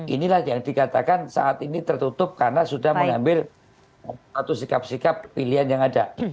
inilah yang dikatakan saat ini tertutup karena sudah mengambil satu sikap sikap pilihan yang ada